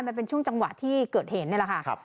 มันเป็นช่วงจังหวะที่เกิดเหตุนี่แหละค่ะ